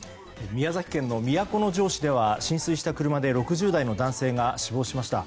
宮崎県の都城市では浸水した車で６０代の男性が死亡しました。